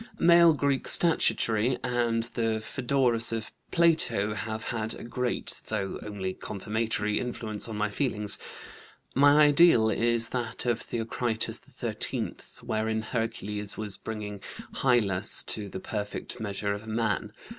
"Male Greek statuary and the Phoedrus of Plato have had a great, though only confirmatory, influence on my feelings. My ideal is that of Theocritus XIII, wherein Hercules was bringing Hylas to the perfect measure of a man.